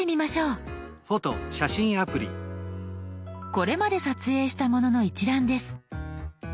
これまで撮影したものの一覧です。